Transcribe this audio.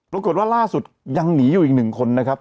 ปรากฏว่าล่าสุดยังหนีอยู่อีกหนึ่งคนนะครับ